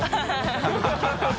ハハハ